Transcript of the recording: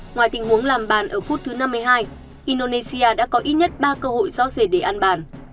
ngoài tình huống làm bàn ở phút thứ năm mươi hai indonesia đã có ít nhất ba cơ hội do dề để ăn bàn